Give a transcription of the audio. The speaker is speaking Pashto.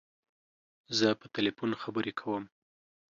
زه په تلیفون خبری کوم.